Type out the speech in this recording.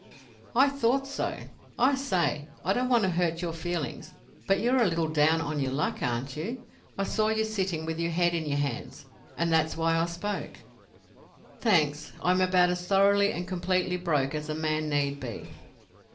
"I thought so. I say, I don't want to hurt your feelings, but you're a little down on your luck, aren't you? I saw you sitting with your head in your hands, and that's why I spoke." "Thanks. I am about as thoroughly and completely broke as a man need be."